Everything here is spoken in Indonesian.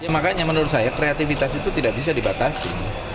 makanya menurut saya kreativitas itu tidak bisa dibatasi